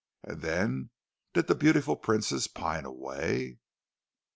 "And then did the beautiful princess pine away?"